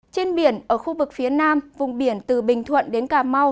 trên biển ở khu vực phía nam vùng biển từ bình thuận đến cà mau